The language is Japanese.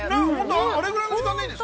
◆あれぐらいの時間でいいんですか。